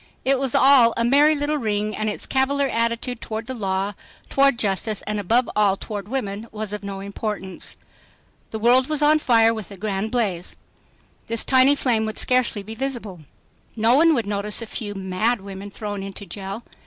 It was all a merry little ring and its cavalier attitude toward the law, toward justice, and above all toward women was of no importance. The world was on fire with a grand blaze. This tiny flame would scarcely be visible. No one would notice a few "mad" women thrown into jail.